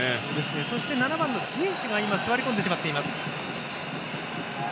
そして、７番のジエシュが座り込んでしまっています。